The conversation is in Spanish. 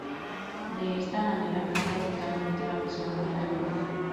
De esta manera cambia totalmente la fisonomía del lugar.